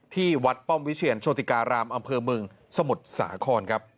ที่วัดป้อมวิเชียรโชติการามอำเภอเมืองสมุทรสาครครับ